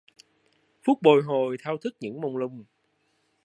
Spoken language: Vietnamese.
Phút bồi hồi thao thức những mông lung